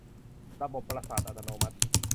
ระบบประสาทอัตโนมัติ